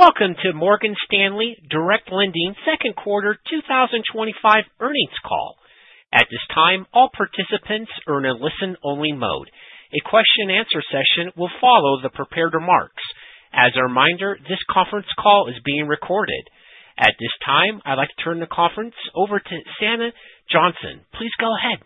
Welcome to Morgan Stanley Direct Lending Q2 2025 earnings call. At this time, all participants are in a listen-only mode. A question answer session will follow the prepared remarks. As a reminder, this conference call is being recorded. At this time, I'd like to turn the conference over to Sanna Johnson. Please go ahead.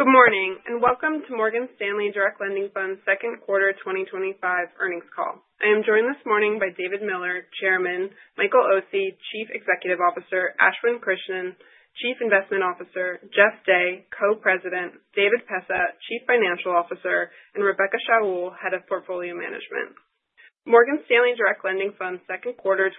Good morning, welcome to Morgan Stanley Direct Lending Fund Q2 2025 earnings call. I am joined this morning by David Miller, Chairman, Michael Occi, Chief Executive Officer, Ashwin Krishnan, Chief Investment Officer, Jeff Day, Co-President, David Pessah, Chief Financial Officer, and Rebecca Shaoul, Head of Portfolio Management. Morgan Stanley Direct Lending Fund Q2 2025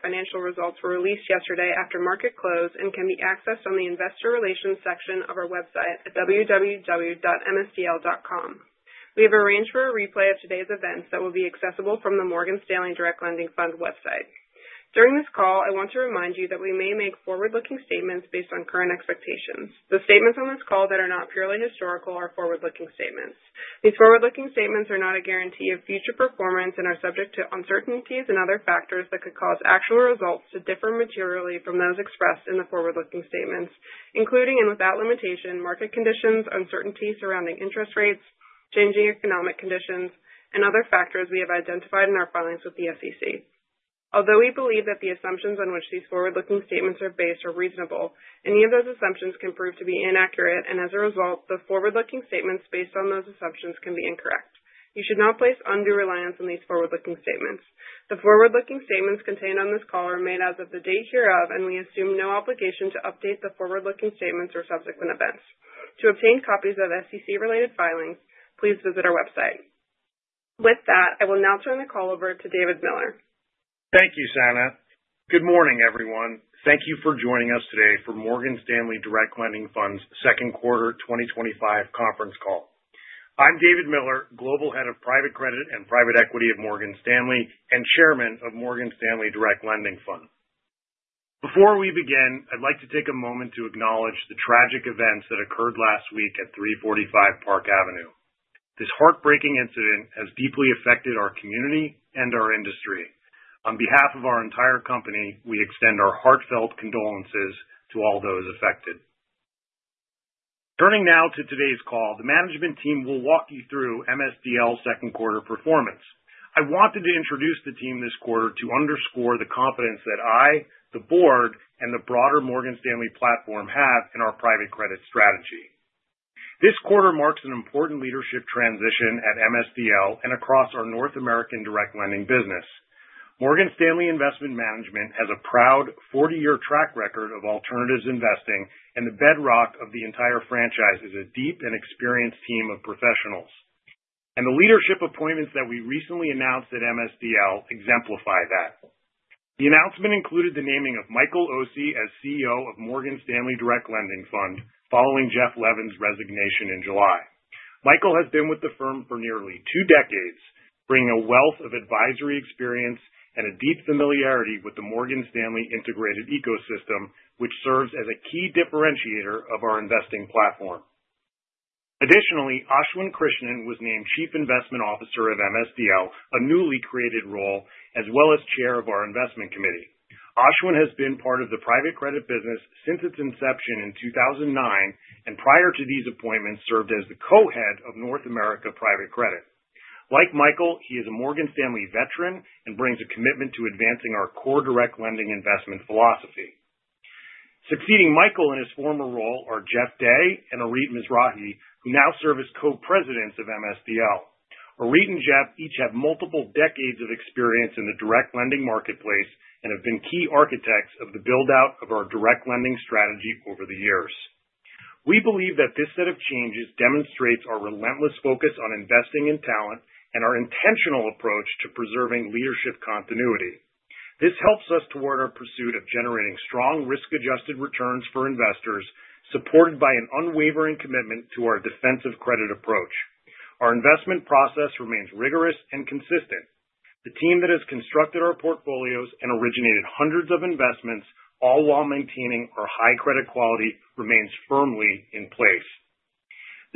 financial results were released yesterday after market close and can be accessed on the investor relations section of our website at www.msdl.com. We have arranged for a replay of today's events that will be accessible from the Morgan Stanley Direct Lending Fund website. During this call, I want to remind you that we may make forward-looking statements based on current expectations. The statements on this call that are not purely historical are forward-looking statements. These forward-looking statements are not a guarantee of future performance and are subject to uncertainties and other factors that could cause actual results to differ materially from those expressed in the forward-looking statements, including and without limitation, market conditions, uncertainty surrounding interest rates, changing economic conditions, and other factors we have identified in our filings with the SEC. Although we believe that the assumptions on which these forward-looking statements are based are reasonable, any of those assumptions can prove to be inaccurate, and as a result, the forward-looking statements based on those assumptions can be incorrect. You should not place undue reliance on these forward-looking statements. The forward-looking statements contained on this call are made as of the date hereof, and we assume no obligation to update the forward-looking statements or subsequent events. To obtain copies of SEC related filings, please visit our website. With that, I will now turn the call over to David Miller. Thank you, Sanna. Good morning, everyone. Thank you for joining us today for Morgan Stanley Direct Lending Fund's Q2 2025 conference call. I'm David Miller, Global Head of Private Credit and Private Equity at Morgan Stanley, and Chairman of Morgan Stanley Direct Lending Fund. Before we begin, I'd like to take a moment to acknowledge the tragic events that occurred last week at 345 Park Avenue. This heartbreaking incident has deeply affected our community and our industry. On behalf of our entire company, we extend our heartfelt condolences to all those affected. Turning now to today's call, the management team will walk you through MSDL Q2 performance. I wanted to introduce the team this quarter to underscore the confidence that I, the board, and the broader Morgan Stanley platform have in our private credit strategy. This quarter marks an important leadership transition at MSDL and across our North American direct lending business. Morgan Stanley Investment Management has a proud 40-year track record of alternatives investing, and the bedrock of the entire franchise is a deep and experienced team of professionals. The leadership appointments that we recently announced at MSDL exemplify that. The announcement included the naming of Michael Occi as CEO of Morgan Stanley Direct Lending Fund following Jeffrey Levin's resignation in July. Michael has been with the firm for nearly two decades, bringing a wealth of advisory experience and a deep familiarity with the Morgan Stanley integrated ecosystem, which serves as a key differentiator of our investing platform. Additionally, Ashwin Krishnan was named Chief Investment Officer of MSDL, a newly created role, as well as chair of our investment committee. Ashwin Krishnan has been part of the private credit business since its inception in 2009, and prior to these appointments, served as the co-head of North America Private Credit. Like Michael Occi, he is a Morgan Stanley veteran and brings a commitment to advancing our core direct lending investment philosophy. Succeeding Michael Occi in his former role are Jeff Day and Orit Mizrachi, who now serve as co-presidents of MSDL. Orit and Jeff each have multiple decades of experience in the direct lending marketplace and have been key architects of the build-out of our direct lending strategy over the years. We believe that this set of changes demonstrates our relentless focus on investing in talent and our intentional approach to preserving leadership continuity. This helps us toward our pursuit of generating strong risk-adjusted returns for investors, supported by an unwavering commitment to our defensive credit approach. Our investment process remains rigorous and consistent. The team that has constructed our portfolios and originated hundreds of investments, all while maintaining our high credit quality, remains firmly in place.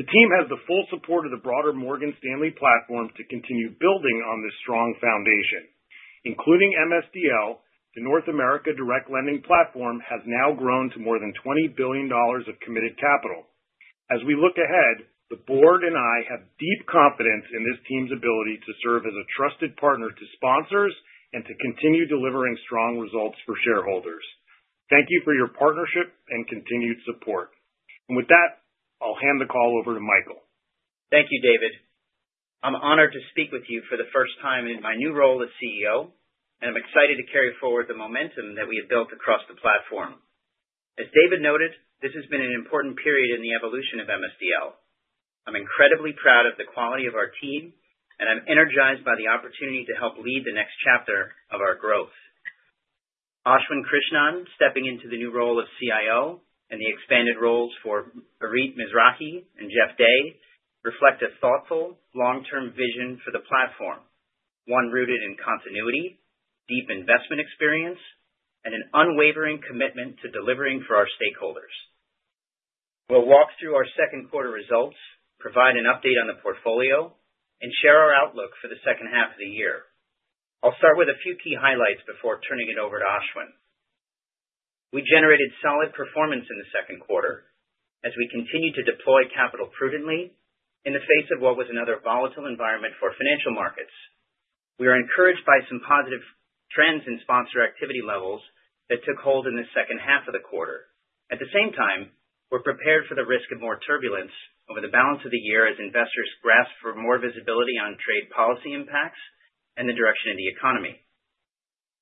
The team has the full support of the broader Morgan Stanley platform to continue building on this strong foundation. Including MSDL, the North America direct lending platform has now grown to more than $20 billion of committed capital. As we look ahead, the board and I have deep confidence in this team's ability to serve as a trusted partner to sponsors and to continue delivering strong results for shareholders. Thank you for your partnership and continued support. With that, I'll hand the call over to Michael. Thank you, David. I'm honored to speak with you for the first time in my new role as CEO, and I'm excited to carry forward the momentum that we have built across the platform. As David noted, this has been an important period in the evolution of MSDL. I'm incredibly proud of the quality of our team, and I'm energized by the opportunity to help lead the next chapter of our growth. Ashwin Krishnan stepping into the new role of CIO and the expanded roles for Orit Mizrachi and Jeff Day reflect a thoughtful long-term vision for the platform, one rooted in continuity, deep investment experience, and an unwavering commitment to delivering for our stakeholders. We'll walk through our Q2 results, provide an update on the portfolio, and share our outlook for the H2 of the year. I'll start with a few key highlights before turning it over to Ashwin. We generated solid performance in the Q2 as we continued to deploy capital prudently in the face of what was another volatile environment for financial markets. We are encouraged by some positive trends in sponsor activity levels that took hold in the H2 of the quarter. At the same time, we're prepared for the risk of more turbulence over the balance of the year as investors grasp for more visibility on trade policy impacts and the direction of the economy.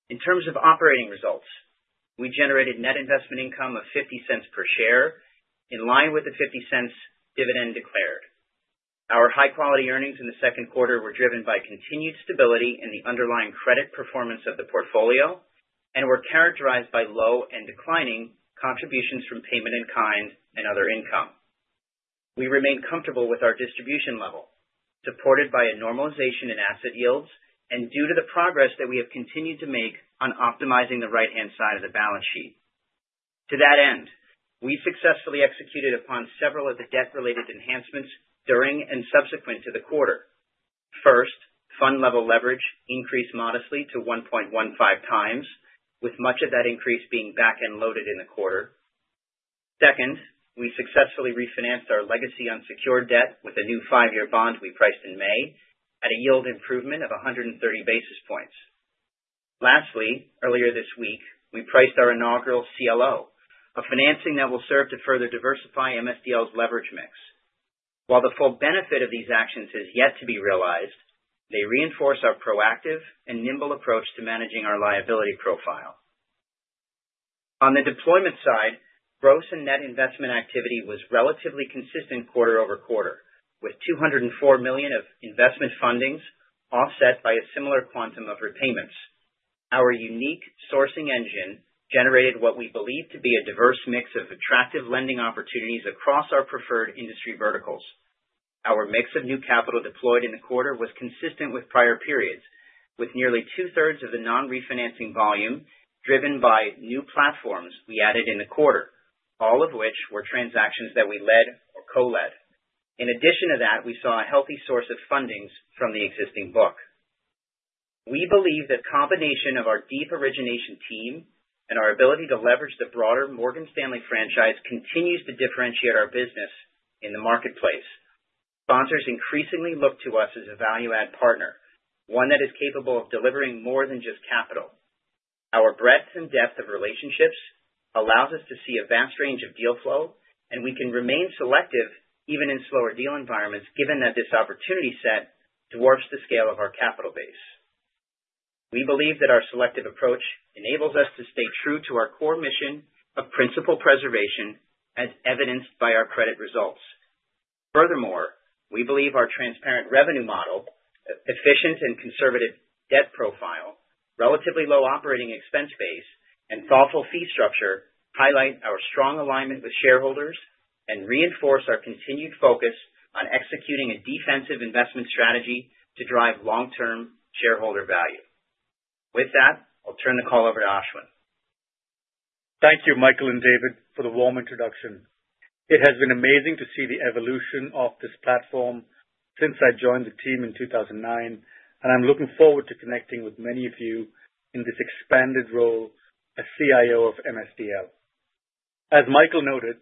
In terms of operating results, we generated net investment income of $0.50 per share, in line with the $0.50 dividend declared. Our high quality earnings in the Q2 were driven by continued stability in the underlying credit performance of the portfolio and were characterized by low and declining contributions from payment-in-kind and other income. We remain comfortable with our distribution level, supported by a normalization in asset yields and due to the progress that we have continued to make on optimizing the right-hand side of the balance sheet. To that end, we successfully executed upon several of the debt-related enhancements during and subsequent to the quarter. First, fund level leverage increased modestly to 1.15x, with much of that increase being back-end loaded in the quarter. Second, we successfully refinanced our legacy unsecured debt with a new five-year bond we priced in May at a yield improvement of 130 basis points. Earlier this week, we priced our inaugural CLO, a financing that will serve to further diversify MSDL's leverage mix. While the full benefit of these actions is yet to be realized, they reinforce our proactive and nimble approach to managing our liability profile. On the deployment side, gross and net investment activity was relatively consistent quarter-over-quarter, with $204 million of investment fundings offset by a similar quantum of repayments. Our unique sourcing engine generated what we believe to be a diverse mix of attractive lending opportunities across our preferred industry verticals. Our mix of new capital deployed in the quarter was consistent with prior periods, with nearly two-thirds of the non-refinancing volume driven by new platforms we added in the quarter, all of which were transactions that we led or co-led. In addition to that, we saw a healthy source of fundings from the existing book. We believe the combination of our deep origination team and our ability to leverage the broader Morgan Stanley franchise continues to differentiate our business in the marketplace. Sponsors increasingly look to us as a value add partner, one that is capable of delivering more than just capital. Our breadth and depth of relationships allows us to see a vast range of deal flow, and we can remain selective even in slower deal environments, given that this opportunity set dwarfs the scale of our capital base. We believe that our selective approach enables us to stay true to our core mission of principal preservation, as evidenced by our credit results. Furthermore, we believe our transparent revenue model, efficient and conservative debt profile, relatively low operating expense base, and thoughtful fee structure highlight our strong alignment with shareholders and reinforce our continued focus on executing a defensive investment strategy to drive long-term shareholder value. With that, I'll turn the call over to Ashwin. Thank you, Michael and David, for the warm introduction. It has been amazing to see the evolution of this platform since I joined the team in 2009, and I'm looking forward to connecting with many of you in this expanded role as CIO of MSDL. As Michael noted,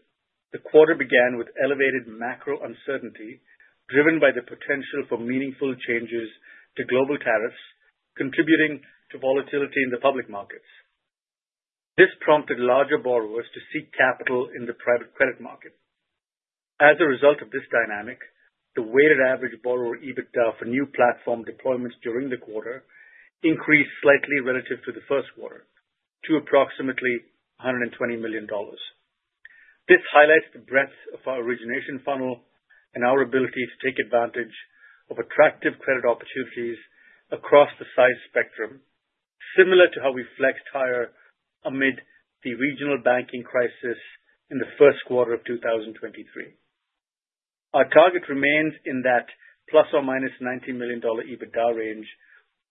the quarter began with elevated macro uncertainty driven by the potential for meaningful changes to global tariffs, contributing to volatility in the public markets. This prompted larger borrowers to seek capital in the private credit market. As a result of this dynamic, the weighted average borrower EBITDA for new platform deployments during the quarter increased slightly relative to the Q1 to approximately $120 million. This highlights the breadth of our origination funnel and our ability to take advantage of attractive credit opportunities across the size spectrum, similar to how we flexed higher amid the regional banking crisis in the Q1 of 2023. Our target remains in that ±$90 million EBITDA range,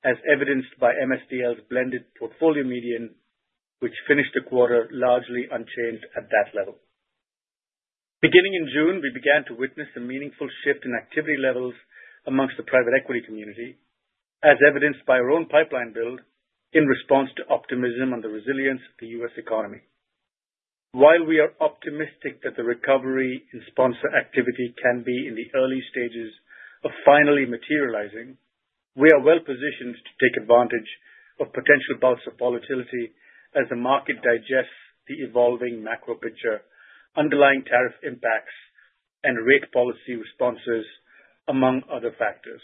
as evidenced by MSDL's blended portfolio median, which finished the quarter largely unchanged at that level. Beginning in June, we began to witness a meaningful shift in activity levels amongst the private equity community, as evidenced by our own pipeline build in response to optimism and the resilience of the U.S. economy. While we are optimistic that the recovery in sponsor activity can be in the early stages of finally materializing, we are well-positioned to take advantage of potential bouts of volatility as the market digests the evolving macro picture, underlying tariff impacts, and rate policy responses, among other factors.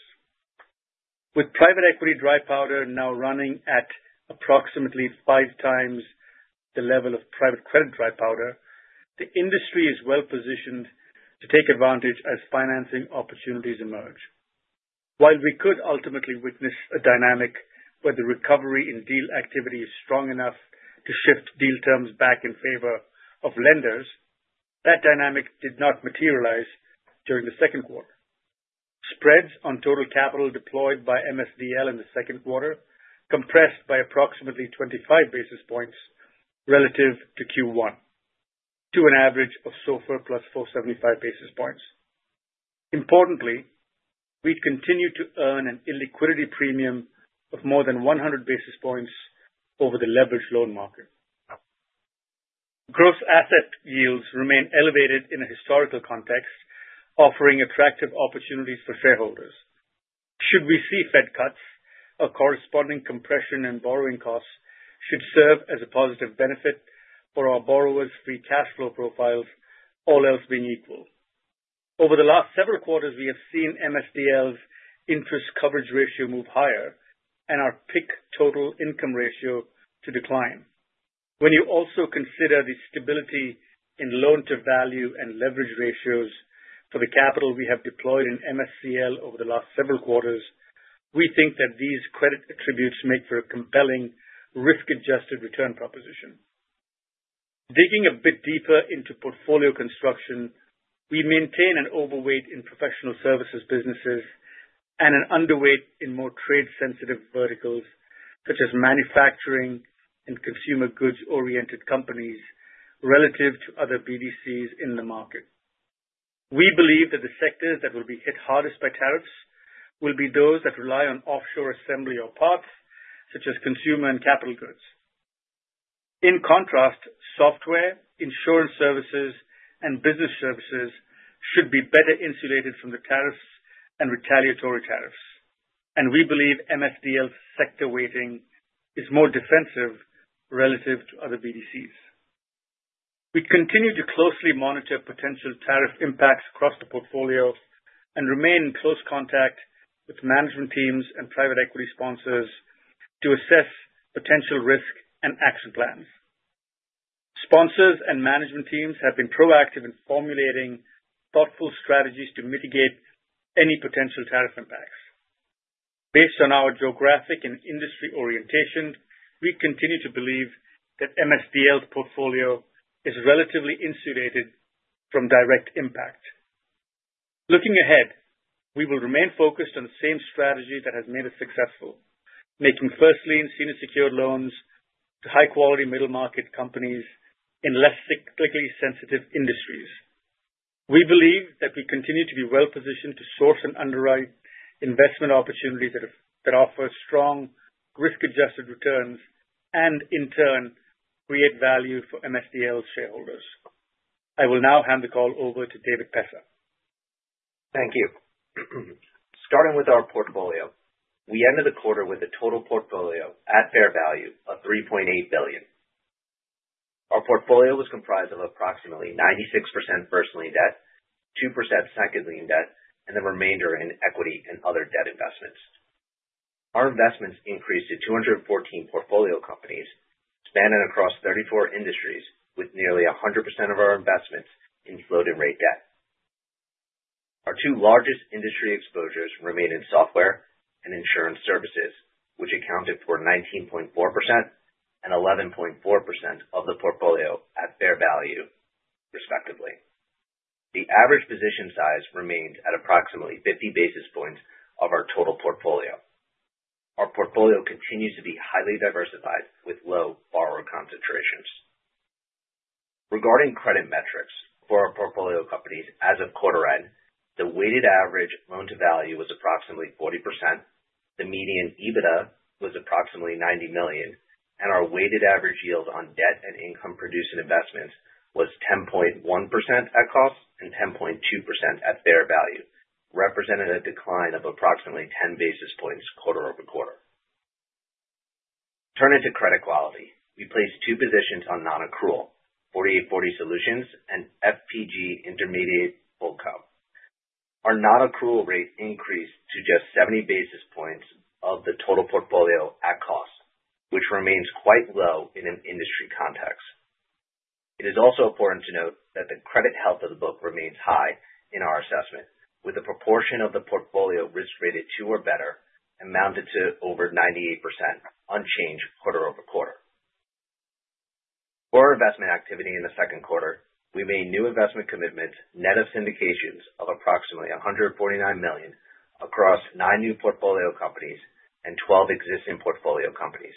With private equity dry powder now running at approximately five times the level of private credit dry powder, the industry is well-positioned to take advantage as financing opportunities emerge. While we could ultimately witness a dynamic where the recovery in deal activity is strong enough to shift deal terms back in favor of lenders, that dynamic did not materialize during the Q2. spreads on total capital deployed by MSDL in the Q2 compressed by approximately 25 basis points relative to Q1 to an average of SOFR plus 475 basis points. Importantly, we continue to earn an illiquidity premium of more than 100 basis points over the leveraged loan market. Gross asset yields remain elevated in a historical context, offering attractive opportunities for shareholders. Should we see Fed cuts, a corresponding compression and borrowing costs should serve as a positive benefit for our borrowers' free cash flow profiles, all else being equal. Over the last several quarters, we have seen MSDL's interest coverage ratio move higher and our PIK total income ratio to decline. When you also consider the stability in loan to value and leverage ratios for the capital we have deployed in MSDL over the last several quarters, we think that these credit attributes make for a compelling risk-adjusted return proposition. Digging a bit deeper into portfolio construction, we maintain an overweight in professional services businesses and an underweight in more trade-sensitive verticals, such as manufacturing and consumer goods-oriented companies, relative to other BDCs in the market. We believe that the sectors that will be hit hardest by tariffs will be those that rely on offshore assembly or parts such as consumer and capital goods. In contrast, software, insurance services, and business services should be better insulated from the tariffs and retaliatory tariffs. We believe MSDL's sector weighting is more defensive relative to other BDCs. We continue to closely monitor potential tariff impacts across the portfolio and remain in close contact with management teams and private equity sponsors to assess potential risk and action plans. Sponsors and management teams have been proactive in formulating thoughtful strategies to mitigate any potential tariff impacts. Based on our geographic and industry orientation, we continue to believe that MSDL's portfolio is relatively insulated from direct impact. Looking ahead, we will remain focused on the same strategy that has made us successful, making first lien senior secured loans to high quality middle market companies in less cyclically sensitive industries. We believe that we continue to be well-positioned to source and underwrite investment opportunities that offer strong risk-adjusted returns and in turn create value for MSDL shareholders. I will now hand the call over to David Pessah. Thank you. Starting with our portfolio. We ended the quarter with a total portfolio at fair value of $3.8 billion. Our portfolio was comprised of approximately 96% first lien debt, 2% second lien debt, and the remainder in equity and other debt investments. Our investments increased to 214 portfolio companies spanning across 34 industries, with nearly 100% of our investments in floating rate debt. Our two largest industry exposures remain in software and insurance services, which accounted for 19.4% and 11.4% of the portfolio at fair value, respectively. The average position size remains at approximately 50 basis points of our total portfolio. Our portfolio continues to be highly diversified with low borrower concentrations. Regarding credit metrics for our portfolio companies, as of quarter end, the weighted average loan to value was approximately 40%. The median EBITDA was approximately $90 million. Our weighted average yield on debt and income producing investments was 10.1% at cost and 10.2% at fair value, representing a decline of approximately 10 basis points quarter-over-quarter. Turning to credit quality. We placed two positions on non-accrual, 48forty Solutions and FPG Intermediate Holdco. Our non-accrual rate increased to just 70 basis points of the total portfolio at cost, which remains quite low in an industry context. It is also important to note that the credit health of the book remains high in our assessment, with the proportion of the portfolio risk-rated two or better amounted to over 98% unchanged quarter-over-quarter. For our investment activity in the Q2, we made new investment commitments net of syndications of approximately $149 million across nine new portfolio companies and 12 existing portfolio companies.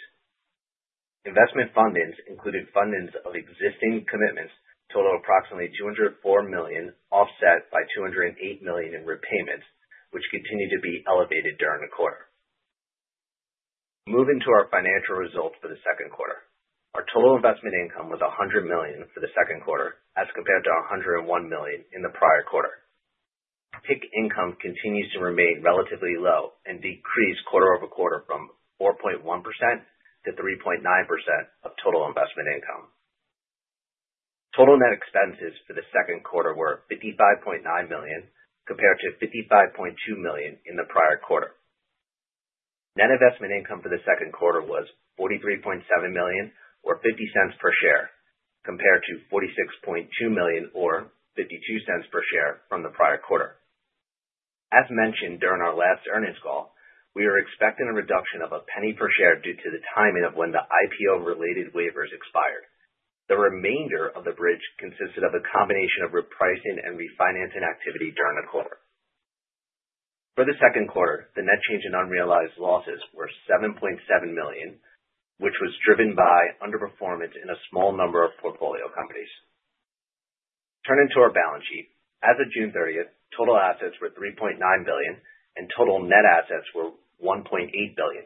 Investment fundings included fundings of existing commitments totaling approximately $204 million, offset by $208 million in repayments, which continued to be elevated during the quarter. Moving to our financial results for the Q2. Our total investment income was $100 million for the Q2 as compared to $101 million in the prior quarter. PIK income continues to remain relatively low and decreased quarter-over-quarter from 4.1%-3.9% of total investment income. Total net expenses for the Q2 were $55.9 million, compared to $55.2 million in the prior quarter. Net investment income for the Q2 was $43.7 million or $0.50 per share, compared to $46.2 million or $0.52 per share from the prior quarter. As mentioned during our last earnings call, we are expecting a reduction of $0.01 per share due to the timing of when the IPO related waivers expired. The remainder of the bridge consisted of a combination of repricing and refinancing activity during the quarter. For the Q2, the net change in unrealized losses were $7.7 million, which was driven by underperformance in a small number of portfolio companies. Turning to our balance sheet. As of June 30th, total assets were $3.9 billion, and total net assets were $1.8 billion.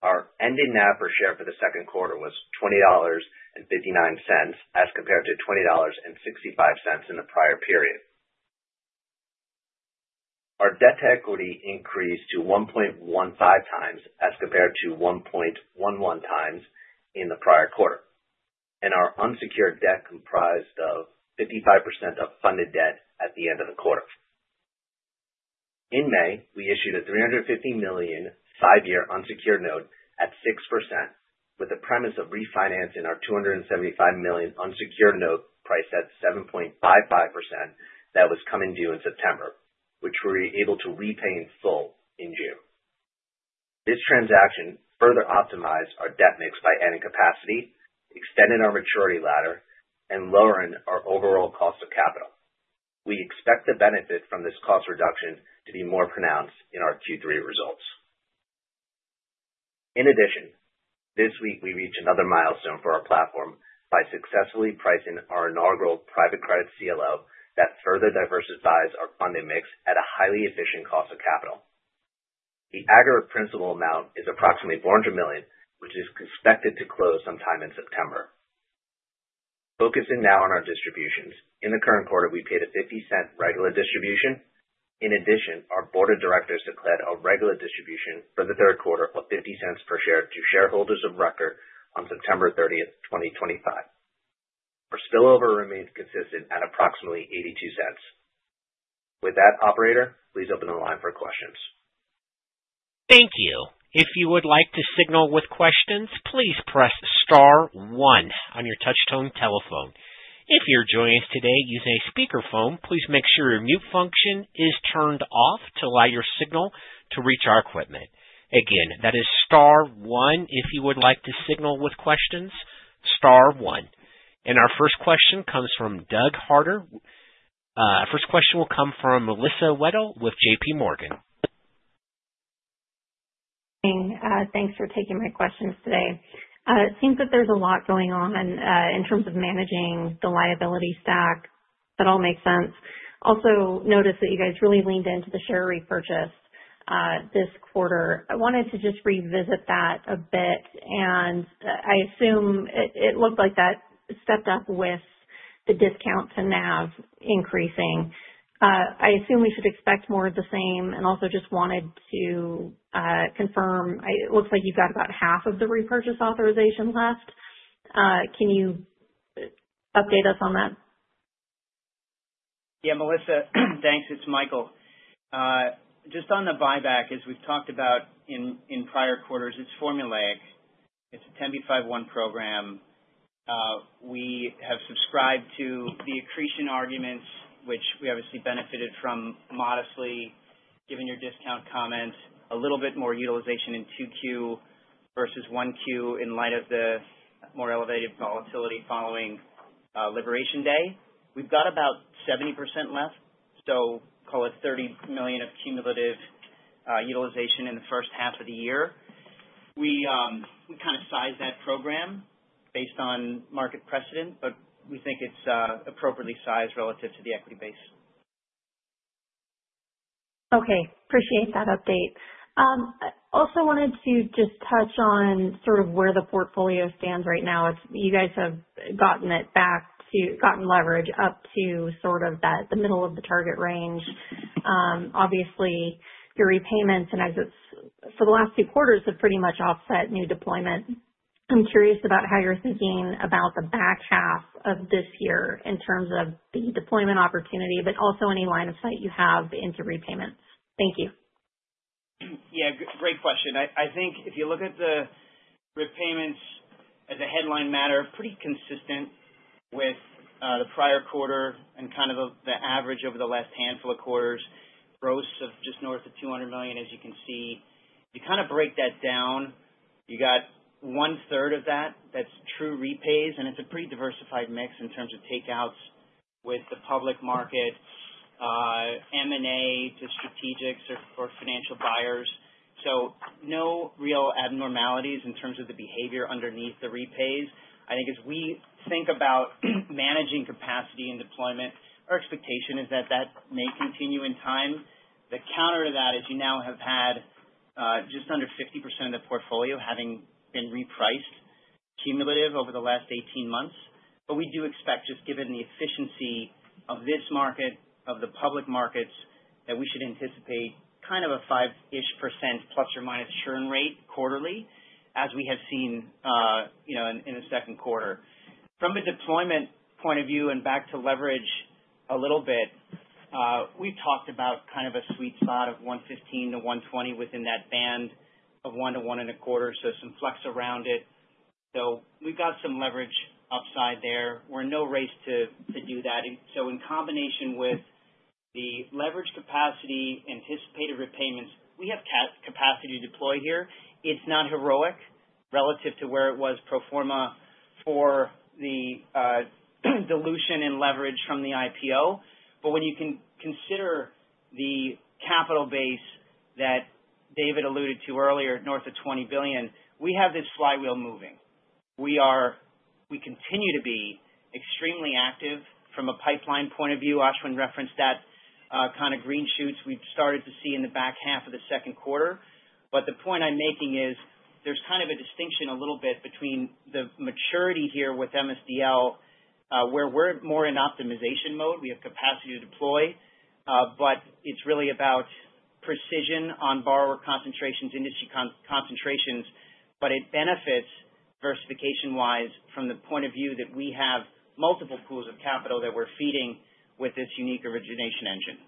Our ending NAV per share for the Q2 was $20.59, as compared to $20.65 in the prior period. Our debt to equity increased to 1.15 times as compared to 1.11 times in the prior quarter. Our unsecured debt comprised of 55% of funded debt at the end of the quarter. In May, we issued a $350 million five-year unsecured note at 6% with the premise of refinancing our $275 million unsecured note priced at 7.55% that was coming due in September, which we were able to repay in full in June. This transaction further optimized our debt mix by adding capacity, extending our maturity ladder, and lowering our overall cost of capital. We expect the benefit from this cost reduction to be more pronounced in our Q3 results. This week we reached another milestone for our platform by successfully pricing our inaugural private credit CLO that further diversifies our funding mix at a highly efficient cost of capital. The aggregate principal amount is approximately $400 million, which is expected to close sometime in September. Focusing now on our distributions. In the current quarter, we paid a $0.50 regular distribution. Our board of directors declared a regular distribution for the Q3 of $0.50 per share to shareholders of record on September 30, 2025. Our spillover remains consistent at approximately $0.82. With that, operator, please open the line for questions. Thank you. If you would like to signal with questions, please press star one on your touchtone telephone. If you're joining us today using a speakerphone, please make sure your mute function is turned off to allow your signal to reach our equipment. Again, that is star one if you would like to signal with questions, star one. Our first question comes from Doug Harter. First question will come from Melissa Wedel with J.P. Morgan. Thanks for taking my questions today. It seems that there's a lot going on in terms of managing the liability stack. That all makes sense. Also, notice that you guys really leaned into the share repurchase this quarter. I wanted to just revisit that a bit, and I assume it looked like that stepped up with the discount to NAV increasing. I assume we should expect more of the same. Also just wanted to confirm. It looks like you've got about half of the repurchase authorization left. Can you update us on that? Yeah, Melissa. Thanks. It's Michael. On the buyback, as we've talked about in prior quarters, it's formulaic. It's a 10b5-1 program. We have subscribed to the accretion arguments, which we obviously benefited from modestly. Given your discount comments, a little bit more utilization in Q2 versus Q1 in light of the more elevated volatility following Liberation Day. We've got about 70% left, so call it $30 million of cumulative utilization in the H1 of the year. We kind of size that program based on market precedent, but we think it's appropriately sized relative to the equity base. Okay. Appreciate that update. I also wanted to just touch on sort of where the portfolio stands right now. You guys have gotten leverage up to the middle of the target range. Obviously, your repayments and exits for the last few quarters have pretty much offset new deployment. I'm curious about how you're thinking about the back half of this year in terms of the deployment opportunity, but also any line of sight you have into repayments. Thank you. Great question. I think if you look at the repayments as a headline matter, pretty consistent with the prior quarter and kind of the average over the last handful of quarters. Gross of just north of $200 million, as you can see. You kind of break that down. You got one-third of that that's true repays, and it's a pretty diversified mix in terms of takeouts with the public market, M&A to strategics or financial buyers. No real abnormalities in terms of the behavior underneath the repays. I think as we think about managing capacity and deployment, our expectation is that that may continue in time. The counter to that is you now have had just under 50% of the portfolio having been repriced cumulative over the last 18 months. We do expect, just given the efficiency of this market, of the public markets, that we should anticipate kind of a ±5-ish% churn rate quarterly, as we have seen, you know, in the Q2. From a deployment point of view and back to leverage a little bit, we've talked about kind of a sweet spot of 1.15-1.20 within that band of 1.0-1.25, so some flex around it. We've got some leverage upside there. We're in no race to do that. The leverage capacity anticipated repayments, we have capacity to deploy here. It's not heroic relative to where it was pro forma for the dilution and leverage from the IPO. When you consider the capital base that David alluded to earlier, north of $20 billion, we have this flywheel moving. We continue to be extremely active from a pipeline point of view. Ashwin referenced that kind of green shoots we've started to see in the back half of the Q2. The point I'm making is there's kind of a distinction a little bit between the maturity here with MSDL, where we're more in optimization mode. We have capacity to deploy, but it's really about precision on borrower concentrations, industry concentrations. It benefits diversification-wise from the point of view that we have multiple pools of capital that we're feeding with this unique origination engine.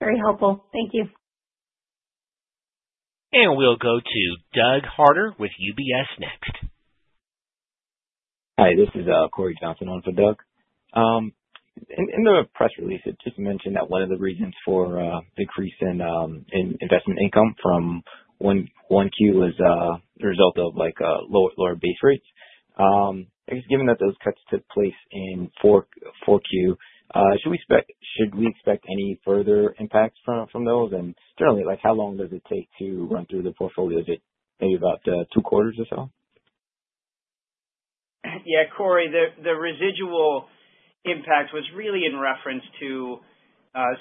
Very helpful. Thank you. We'll go to Doug Harter with UBS next. Hi, this is Cory Johnson on for Doug. In the press release, it just mentioned that one of the reasons for decrease in investment income from Q1 was the result of like lower base rates. I guess given that those cuts took place in Q4, should we expect any further impacts from those? Generally, like, how long does it take to run through the portfolio? Is it maybe about two quarters or so? Yeah, Cory, the residual impact was really in reference to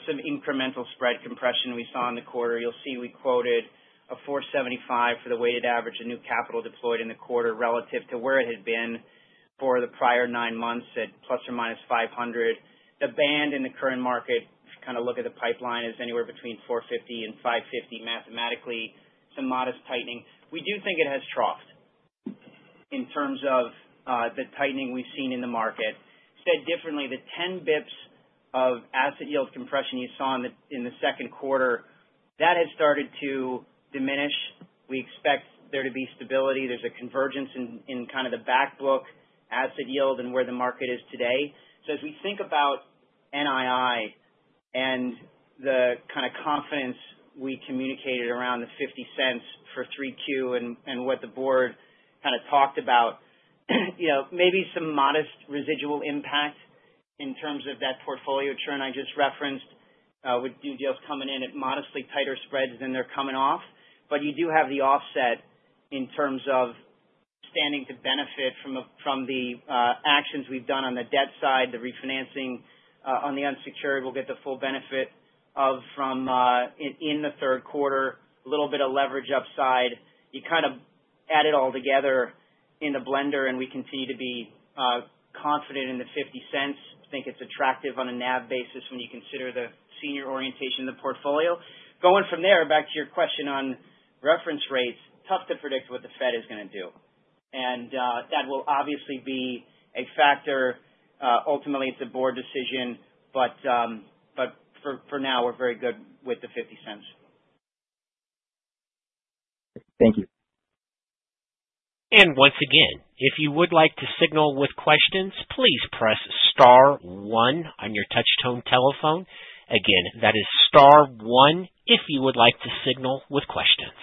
some incremental spread compression we saw in the quarter. You'll see we quoted a 475 for the weighted average of new capital deployed in the quarter relative to where it had been for the prior nine months at ±500. The band in the current market, if you kind of look at the pipeline, is anywhere between 450 and 550 mathematically, some modest tightening. We do think it has troughed in terms of the tightening we've seen in the market. Said differently, the 10 basis points of asset yield compression you saw in the Q2, that has started to diminish. We expect there to be stability. There's a convergence in kind of the back book asset yield and where the market is today. As we think about NII and the kind of confidence we communicated around the $0.50 for Q3 and what the board kind of talked about, you know, maybe some modest residual impact in terms of that portfolio churn I just referenced, with new deals coming in at modestly tighter spreads than they're coming off. You do have the offset in terms of standing to benefit from the actions we've done on the debt side, the refinancing on the unsecured. We'll get the full benefit of from in the Q3, a little bit of leverage upside. You kind of add it all together in a blender, and we continue to be confident in the $0.50. I think it's attractive on a NAV basis when you consider the senior orientation of the portfolio. Going from there, back to your question on reference rates, tough to predict what the Fed is gonna do. That will obviously be a factor. Ultimately it's a board decision, but for now, we're very good with the $0.50. Thank you. Once again, if you would like to signal with questions, please press star one on your touch tone telephone. Again, that is star one if you would like to signal with questions.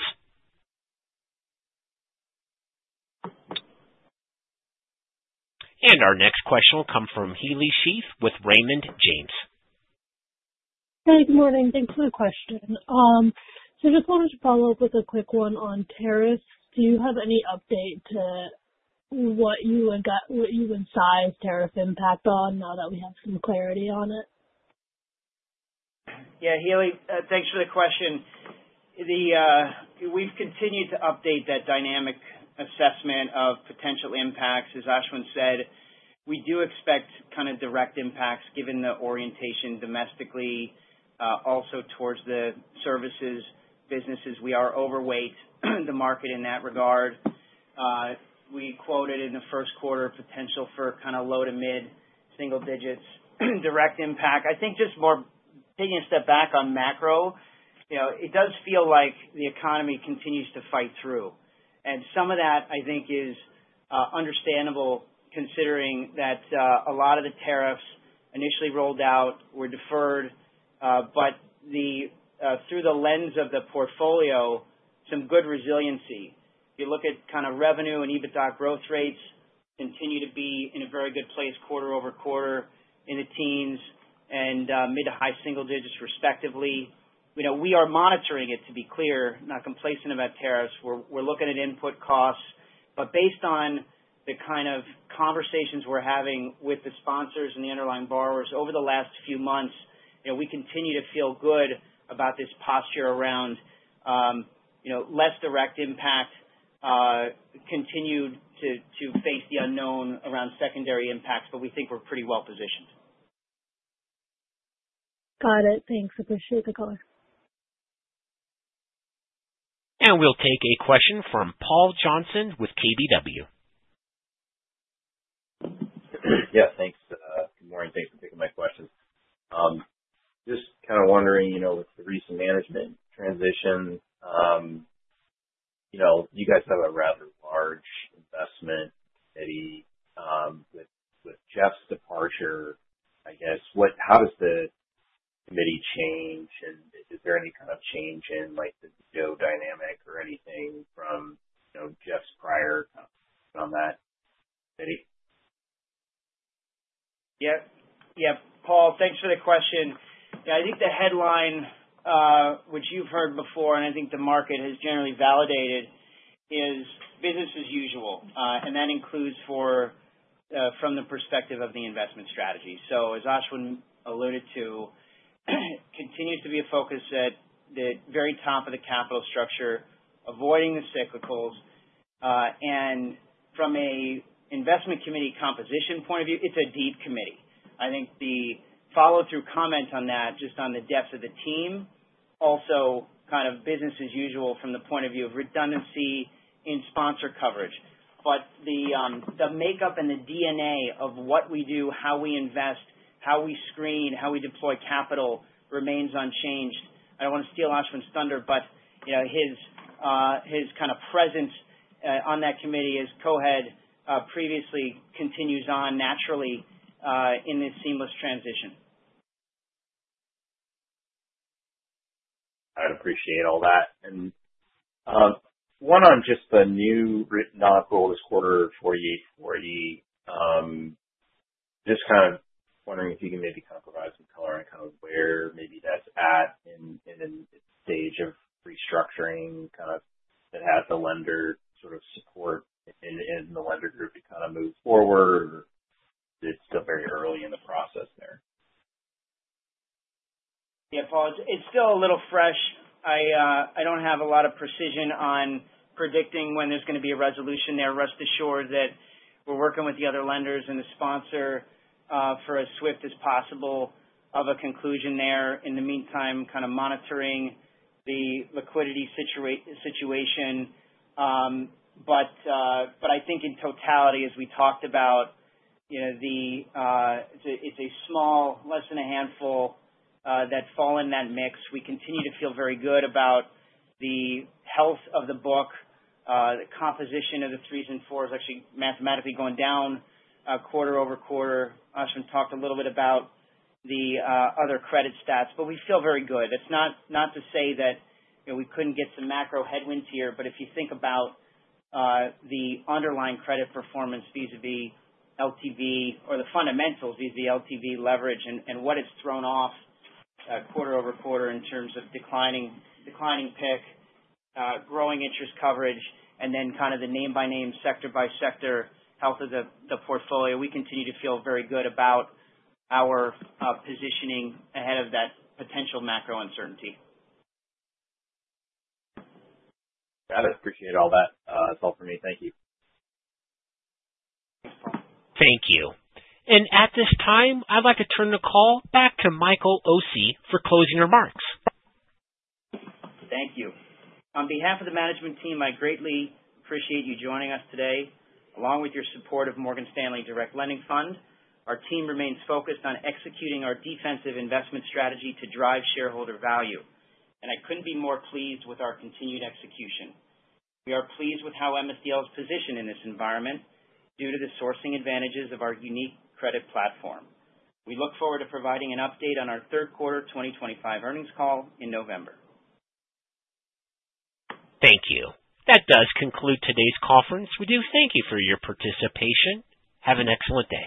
Our next question will come from Heli Sheth with Raymond James. Hey, good morning. Thanks for the question. Just wanted to follow up with a quick one on tariffs. Do you have any update to what you would size tariff impact on now that we have some clarity on it? Yeah. Heli, thanks for the question. We've continued to update that dynamic assessment of potential impacts. As Ashwin said, we do expect kind of direct impacts given the orientation domestically, also towards the services businesses. We are overweight the market in that regard. We quoted in the Q1 potential for kind of low to mid-single digits direct impact. I think just more taking a step back on macro, you know, it does feel like the economy continues to fight through. Some of that, I think, is understandable considering that a lot of the tariffs initially rolled out were deferred. Through the lens of the portfolio, some good resiliency. If you look at kind of revenue and EBITDA growth rates continue to be in a very good place quarter-over-quarter in the teens and mid to high single digits respectively. You know, we are monitoring it, to be clear, not complacent about tariffs. We're looking at input costs. Based on the kind of conversations we're having with the sponsors and the underlying borrowers over the last few months, you know, we continue to feel good about this posture around, you know, less direct impact, continued to face the unknown around secondary impacts, but we think we're pretty well positioned. Got it. Thanks. Appreciate the color. We'll take a question from Paul Johnson with KBW. Yeah, thanks. Good morning. Thanks for taking my question. Just kind of wondering, you know, with the recent management transition. You know, you guys have a rather large investment committee. With Jeff's departure, I guess, how does the committee change and is there any kind of change in, like, the dynamic or anything from, you know, Jeff's prior on that committee? Yeah. Paul, thanks for the question. Yeah, I think the headline, which you've heard before, and I think the market has generally validated, is business as usual. That includes for, from the perspective of the investment strategy. As Ashwin alluded to, continues to be a focus at the very top of the capital structure, avoiding the cyclicals. From a investment committee composition point of view, it's a deep committee. I think the follow-through comment on that, just on the depth of the team, also kind of business as usual from the point of view of redundancy in sponsor coverage. The makeup and the DNA of what we do, how we invest, how we screen, how we deploy capital remains unchanged. I don't want to steal Ashwin's thunder, but, you know, his kind of presence, on that committee as co-head, previously continues on naturally, in this seamless transition. I appreciate all that. One on just the new written-off goal this quarter, 48forty. Just kind of wondering if you can maybe provide some color on kind of where maybe that's at in its stage of restructuring, kind of that has the lender sort of support in the lender group to kind of move forward. It's still very early in the process there. Paul, it's still a little fresh. I don't have a lot of precision on predicting when there's gonna be a resolution there. Rest assured that we're working with the other lenders and the sponsor for as swift as possible of a conclusion there. In the meantime, kind of monitoring the liquidity situation. I think in totality, as we talked about, you know, it's a small, less than a handful that fall in that mix. We continue to feel very good about the health of the book. The composition of the threes and fours actually mathematically going down quarter-over-quarter. Ashwin talked a little bit about the other credit stats, but we feel very good. It's not to say that, you know, we couldn't get some macro headwinds here, if you think about the underlying credit performance vis-à-vis LTV or the fundamentals vis-à-vis LTV leverage and what it's thrown off quarter over quarter in terms of declining PIK, growing interest coverage, and then kind of the name by name, sector by sector health of the portfolio. We continue to feel very good about our positioning ahead of that potential macro uncertainty. Got it. Appreciate all that. That's all for me. Thank you. Thank you. At this time, I'd like to turn the call back to Michael Occi for closing remarks. Thank you. On behalf of the management team, I greatly appreciate you joining us today, along with your support of Morgan Stanley Direct Lending Fund. Our team remains focused on executing our defensive investment strategy to drive shareholder value. I couldn't be more pleased with our continued execution. We are pleased with how MSDL is positioned in this environment due to the sourcing advantages of our unique credit platform. We look forward to providing an update on our Q3 2025 earnings call in November. Thank you. That does conclude today's conference. We do thank you for your participation. Have an excellent day.